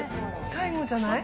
最後じゃない？